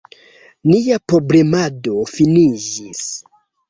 Nia promenado finiĝis.